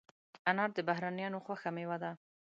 انار د بهرنیانو خوښه مېوه ده.